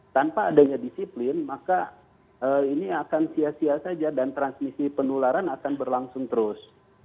tanpa adanya disiplin maka ini akan sia sia saja dan transmisi penularan akan berlangsung terus